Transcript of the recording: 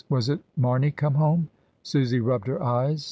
Was it Mamey come home? Susy rubbed her eyes.